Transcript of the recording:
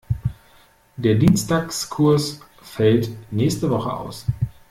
Der Dienstagskurs fällt nächste Woche aus.